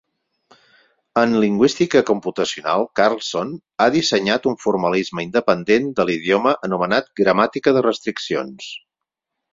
En lingüística computacional, Karlsson ha dissenyat un formalisme independent de l'idioma anomenat Gramàtica de restriccions.